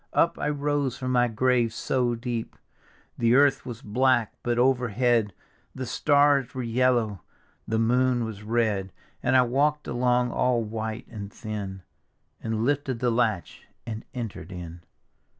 Up I rose from my grave so deep. The earth was black, but overhead The stars were yellow, the moon was red ; And I walk'd along all white and thin, And lifted the latch and cnter'd in.